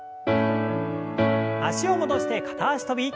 脚を戻して片脚跳び。